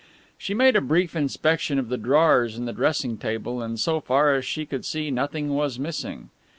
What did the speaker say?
She made a brief inspection of the drawers in the dressing table, and so far as she could see nothing was missing.